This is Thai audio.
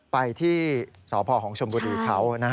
ไปที่สพของชมบุรีเขา